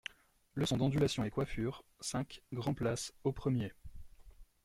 Leçons d'ondulations et coiffures, cinq, Grande-Place, au premier.